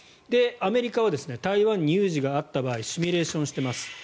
アメリカは台湾に有事があった場合シミュレーションしています。